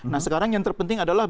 nah sekarang yang terpenting adalah